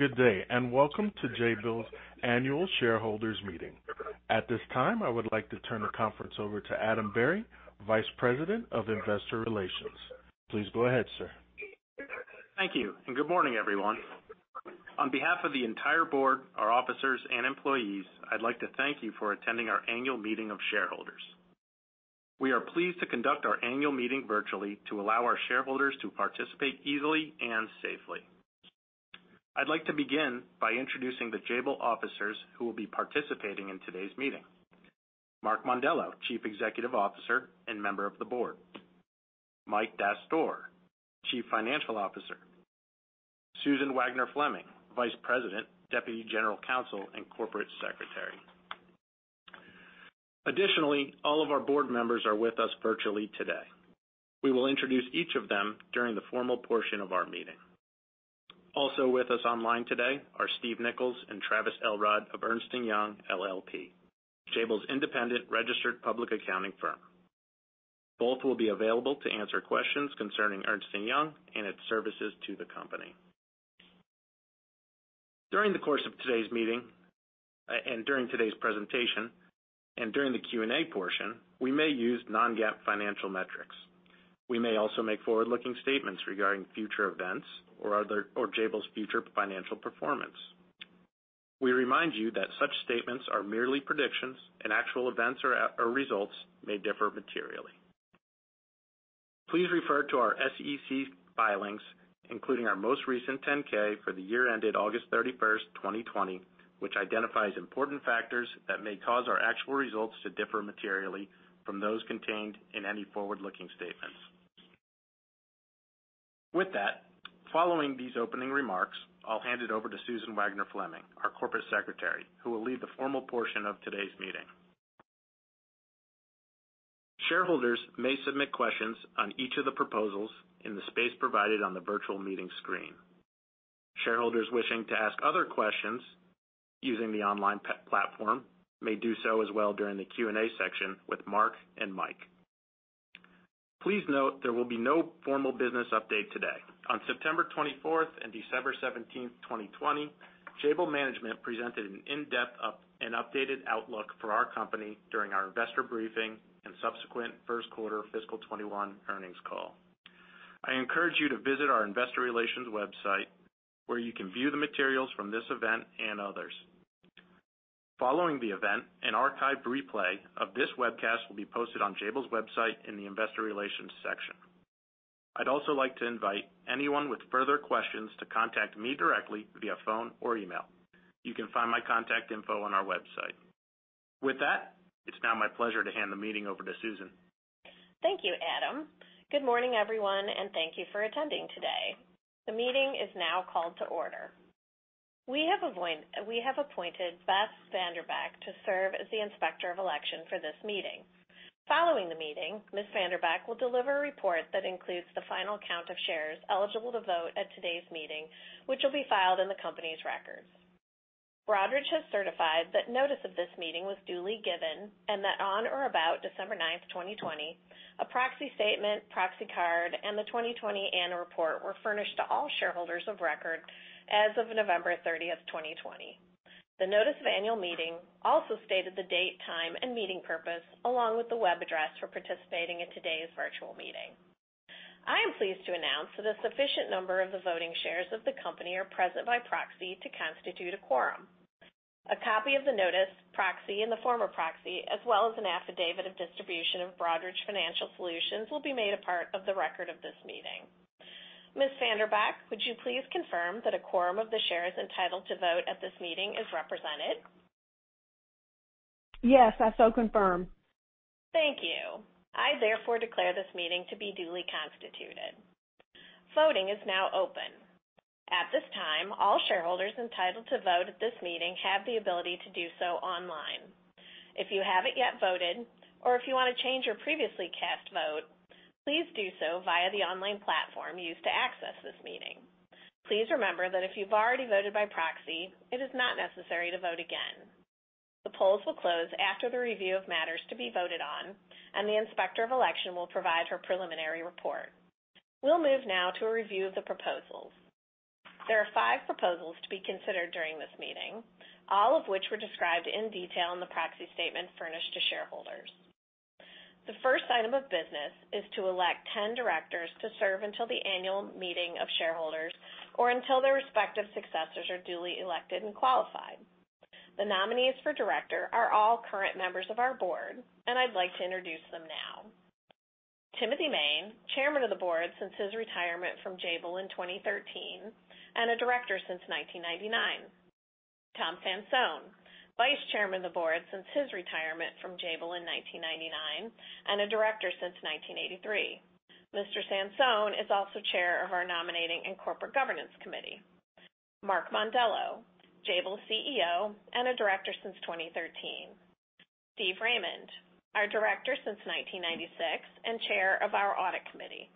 Good day, and welcome to Jabil's annual shareholders meeting. At this time, I would like to turn the conference over to Adam Berry, Vice President of Investor Relations. Please go ahead, sir. Thank you, and good morning, everyone. On behalf of the entire board, our officers, and employees, I'd like to thank you for attending our annual meeting of shareholders. We are pleased to conduct our annual meeting virtually to allow our shareholders to participate easily and safely. I'd like to begin by introducing the Jabil officers who will be participating in today's meeting: Mark Mondello, Chief Executive Officer and member of the board, Mike Dastoor, Chief Financial Officer, Susan Wagner-Fleming, Vice President, Deputy General Counsel, and Corporate Secretary. Additionally, all of our board members are with us virtually today. We will introduce each of them during the formal portion of our meeting. Also with us online today are Steve Nichols and Travis Elrod of Ernst & Young LLP, Jabil's independent registered public accounting firm. Both will be available to answer questions concerning Ernst & Young and its services to the company. During the course of today's meeting and during today's presentation and during the Q&A portion, we may use non-GAAP financial metrics. We may also make forward-looking statements regarding future events or Jabil's future financial performance. We remind you that such statements are merely predictions, and actual events or results may differ materially. Please refer to our SEC filings, including our most recent 10-K for the year ended August 31st, 2020, which identifies important factors that may cause our actual results to differ materially from those contained in any forward-looking statements. With that, following these opening remarks, I'll hand it over to Susan Wagner-Fleming, our Corporate Secretary, who will lead the formal portion of today's meeting. Shareholders may submit questions on each of the proposals in the space provided on the virtual meeting screen. Shareholders wishing to ask other questions using the online platform may do so as well during the Q&A section with Mark and Mike. Please note there will be no formal business update today. On September 24th and December 17th, 2020, Jabil Management presented an in-depth and updated outlook for our company during our investor briefing and subsequent first quarter fiscal 21 earnings call. I encourage you to visit our investor relations website where you can view the materials from this event and others. Following the event, an archived replay of this webcast will be posted on Jabil's website in the investor relations section. I'd also like to invite anyone with further questions to contact me directly via phone or email. You can find my contact info on our website. With that, it's now my pleasure to hand the meeting over to Susan. Thank you, Adam. Good morning, everyone, and thank you for attending today. The meeting is now called to order. We have appointed Beth Vanderbeck to serve as the inspector of election for this meeting. Following the meeting, Ms. Vanderbeck will deliver a report that includes the final count of shares eligible to vote at today's meeting, which will be filed in the company's records. Broadridge has certified that notice of this meeting was duly given and that on or about December 9th, 2020, a proxy statement, proxy card, and the 2020 annual report were furnished to all shareholders of record as of November 30th, 2020. The notice of annual meeting also stated the date, time, and meeting purpose, along with the web address for participating in today's virtual meeting. I am pleased to announce that a sufficient number of the voting shares of the company are present by proxy to constitute a quorum. A copy of the notice, proxy in the form of proxy, as well as an affidavit of distribution of Broadridge Financial Solutions will be made a part of the record of this meeting. Ms. Vanderbeck, would you please confirm that a quorum of the shares entitled to vote at this meeting is represented? Yes, I so confirm. Thank you. I therefore declare this meeting to be duly constituted. Voting is now open. At this time, all shareholders entitled to vote at this meeting have the ability to do so online. If you haven't yet voted or if you want to change your previously cast vote, please do so via the online platform used to access this meeting. Please remember that if you've already voted by proxy, it is not necessary to vote again. The polls will close after the review of matters to be voted on, and the inspector of election will provide her preliminary report. We'll move now to a review of the proposals. There are five proposals to be considered during this meeting, all of which were described in detail in the proxy statement furnished to shareholders. The first item of business is to elect 10 directors to serve until the annual meeting of shareholders or until their respective successors are duly elected and qualified. The nominees for director are all current members of our board, and I'd like to introduce them now: Timothy Main, Chairman of the Board since his retirement from Jabil in 2013, and a director since 1999. Tom Sansone, Vice Chairman of the Board since his retirement from Jabil in 1999, and a director since 1983. Mr. Sansone is also chair of our Nominating and Corporate Governance Committee. Mark Mondello, Jabil CEO and a director since 2013. Steve Raymund, our director since 1996 and chair of our Audit Committee.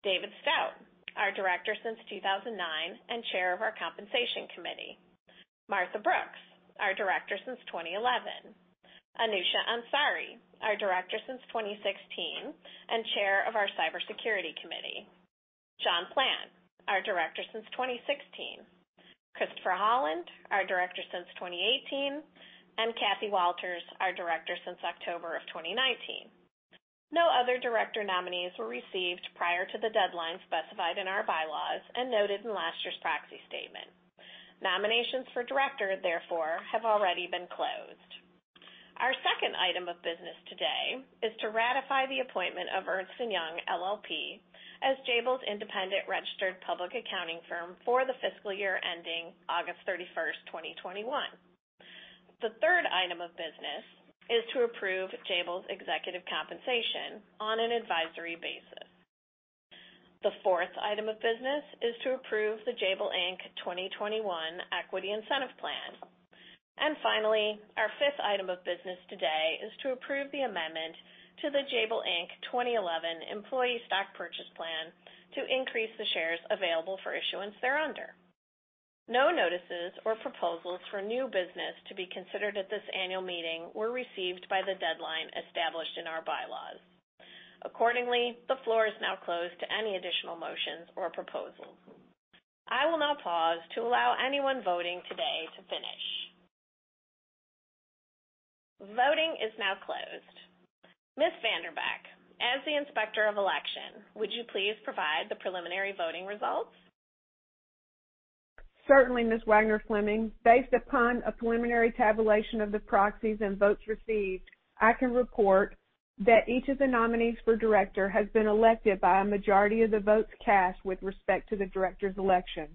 David Stout, our director since 2009 and chair of our Compensation Committee. Martha Brooks, our director since 2011. Anousheh Ansari, our director since 2016 and chair of our Cybersecurity Committee. John Plant, our director since 2016. Christopher Holland, our director since 2018. And Kathy Walters, our director since October of 2019. No other director nominees were received prior to the deadline specified in our bylaws and noted in last year's proxy statement. Nominations for director, therefore, have already been closed. Our second item of business today is to ratify the appointment of Ernst & Young LLP as Jabil's independent registered public accounting firm for the fiscal year ending August 31st, 2021. The third item of business is to approve Jabil's executive compensation on an advisory basis. The fourth item of business is to approve the Jabil Inc. 2021 Equity Incentive Plan. And finally, our fifth item of business today is to approve the amendment to the Jabil Inc. 2011 Employee Stock Purchase Plan to increase the shares available for issuance thereunder. No notices or proposals for new business to be considered at this annual meeting were received by the deadline established in our bylaws. Accordingly, the floor is now closed to any additional motions or proposals. I will now pause to allow anyone voting today to finish. Voting is now closed. Ms. Vanderbeck, as the inspector of election, would you please provide the preliminary voting results? Certainly, Ms. Wagner Fleming. Based upon a preliminary tabulation of the proxies and votes received, I can report that each of the nominees for director has been elected by a majority of the votes cast with respect to the director's election.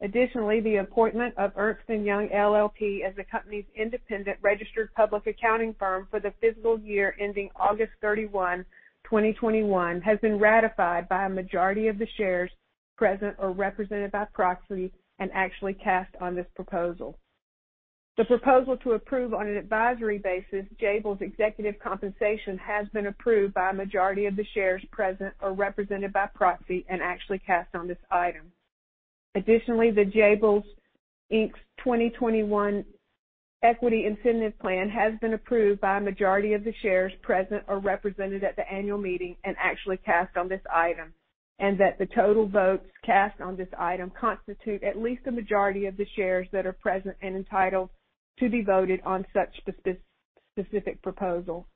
Additionally, the appointment of Ernst & Young LLP as the company's independent registered public accounting firm for the fiscal year ending August 31, 2021, has been ratified by a majority of the shares present or represented by proxy and actually cast on this proposal. The proposal to approve on an advisory basis Jabil's executive compensation has been approved by a majority of the shares present or represented by proxy and actually cast on this item. Additionally, the Jabil's Inc. 2021 Equity Incentive Plan has been approved by a majority of the shares present or represented at the annual meeting and actually cast on this item, and that the total votes cast on this item constitute at least a majority of the shares that are present and entitled to be voted on such specific proposal.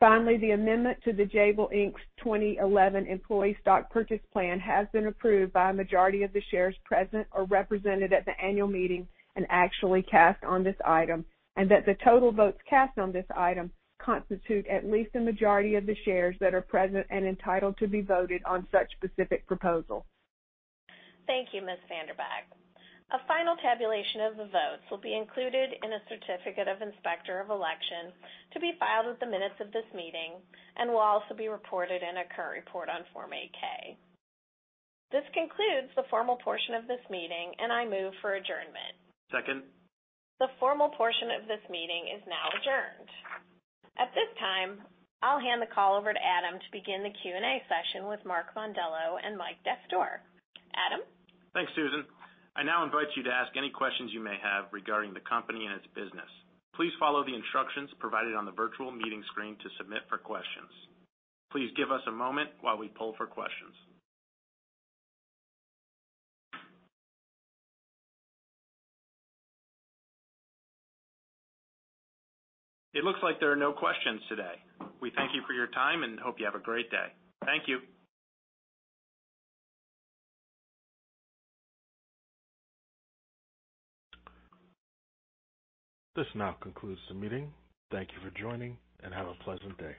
Finally, the amendment to the Jabil Inc. 2011 Employee Stock Purchase Plan has been approved by a majority of the shares present or represented at the annual meeting and actually cast on this item, and that the total votes cast on this item constitute at least a majority of the shares that are present and entitled to be voted on such specific proposal. Thank you, Ms. Vanderbeck. A final tabulation of the votes will be included in a certificate of inspector of election to be filed at the minutes of this meeting and will also be reported in a current report on Form 8-K. This concludes the formal portion of this meeting, and I move for adjournment. Second. The formal portion of this meeting is now adjourned. At this time, I'll hand the call over to Adam to begin the Q&A session with Mark Mondello and Mike Dastoor. Adam? Thanks, Susan. I now invite you to ask any questions you may have regarding the company and its business. Please follow the instructions provided on the virtual meeting screen to submit for questions. Please give us a moment while we pull for questions. It looks like there are no questions today. We thank you for your time and hope you have a great day. Thank you. This now concludes the meeting. Thank you for joining, and have a pleasant day.